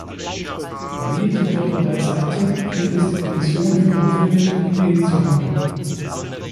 Wie ich jedoch bereits sagte, hielt es die Kommission für notwendig, umgehend zu handeln.